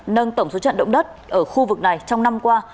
nâng tổng số trận động đất ở khu vực này trong năm qua